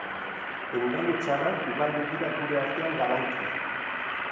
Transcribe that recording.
Engainu txarrak ugaldu dira gure artean galanki.